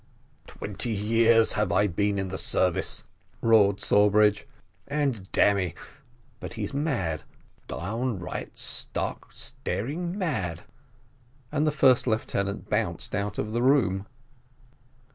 "Twenty years have I been in the service," roared Sawbridge, "and, damme, but he's mad downright, stark, staring mad." And the first lieutenant bounced out of the room.